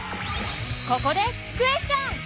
ここでクエスチョン！